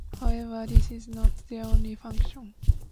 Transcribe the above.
However, this is not their only function.